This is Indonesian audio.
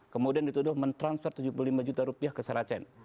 kemudian dituduh mentransfer tujuh puluh lima juta rupiah ke saracen